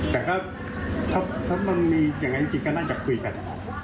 แต่ก็ถ้ามันมีอย่างนั้นจริงก็น่าจะคุยกัน